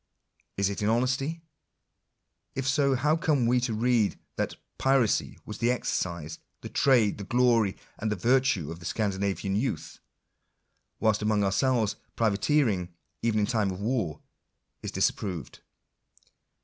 Is it in honesty ? If so, how come we to read that " piracy was the exercise, the trade, the glory, and the virtue of the Scandinavian youth;" whilst amongst ourselves privateering, even in time of war, is disap proved?